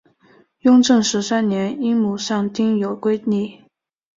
雍正十三年因母丧丁忧归里。